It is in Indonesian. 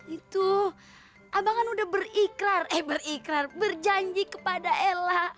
itu abang kan udah berikrar eh berikrar berjanji kepada ella